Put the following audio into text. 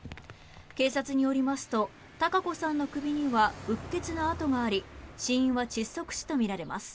警察によりますと堯子さんの首にはうっ血の痕があり死因は窒息死とみられます。